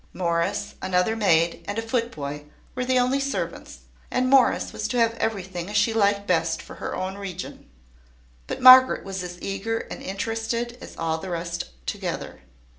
Morris, another maid, and a foot boy, were the only servants; and Morris was to have everything as she liked best for her own region. But Margaret was as eager and interested as all the rest together.